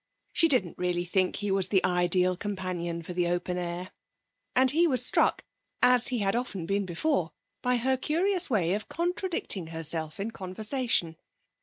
She didn't really think he was the ideal companion for the open air. And he was struck, as he had often been before, by her curious way of contradicting herself in conversation.